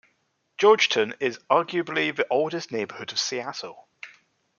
Georgetown is arguably the oldest neighborhood of Seattle.